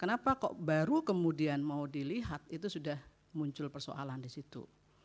kenapa kok baru kemudian mau dilihat itu sudah muncul persoalan di situ